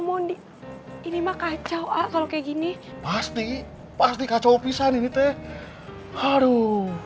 mondi ini mah kacau kalau kayak gini pasti pasti kacau pisah nih teh aduh